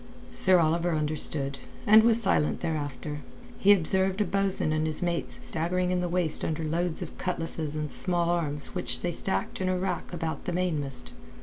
Sir Oliver understood, and was silent thereafter. He observed a bo'sun and his mates staggering in the waist under loads of cutlasses and small arms which they stacked in a rack about the mainmast.